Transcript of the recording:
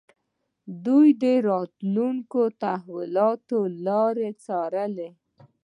دوی د راتلونکو تحولاتو لاره يې څارله.